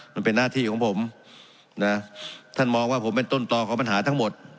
มันเป็นหน้าที่ของผมนะท่านมองว่าผมเป็นต้นต่อของปัญหาทั้งหมด